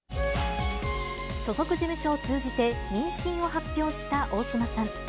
所属事務所を通じて妊娠を発表した大島さん。